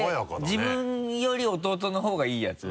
自分より弟の方がいいやつ？